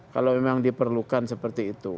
kalau memang diperlukan seperti itu